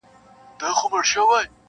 • پر لکړه مي وروستی نفس دروړمه -